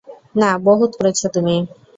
না, বহুত করেছো তুমি।